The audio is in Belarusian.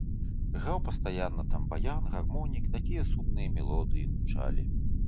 Граў пастаянна там баян, гармонік, такія сумныя мелодыі гучалі.